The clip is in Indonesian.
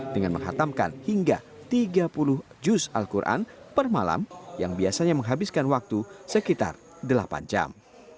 dengan menghatamkan hingga tiga puluh juz al quran per malam yang biasanya menghabiskan waktu sekitar delapan jam